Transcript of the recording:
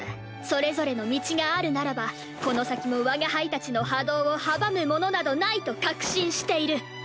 それぞれの道があるならばこの先も我が輩たちの覇道を阻むものなどないと確信している。